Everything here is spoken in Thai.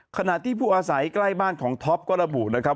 ขณะที่ผู้อาศัยใกล้บ้านของท็อปก็ระบุนะครับ